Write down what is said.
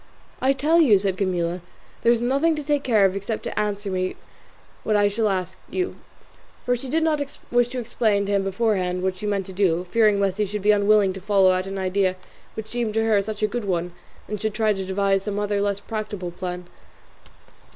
"I tell you," said Camilla, "there is nothing to take care of except to answer me what I shall ask you;" for she did not wish to explain to him beforehand what she meant to do, fearing lest he should be unwilling to follow out an idea which seemed to her such a good one, and should try or devise some other less practicable plan.